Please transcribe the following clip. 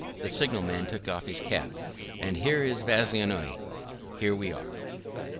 The signalman took off his cap. "And here is Vyazovye. Here we are."